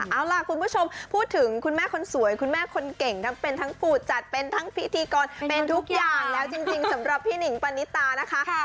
เอาล่ะคุณผู้ชมพูดถึงคุณแม่คนสวยคุณแม่คนเก่งทั้งเป็นทั้งผู้จัดเป็นทั้งพิธีกรเป็นทุกอย่างแล้วจริงสำหรับพี่หนิงปณิตานะคะ